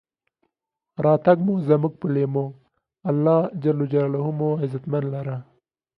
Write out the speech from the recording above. راتګ مو زمونږ پۀ لېمو، الله ج مو عزتمن لره.